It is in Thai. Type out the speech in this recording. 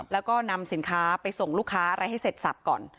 แล้วก็นำสินค้าไปส่งลูกค้าอะไรให้เสร็จสับก่อน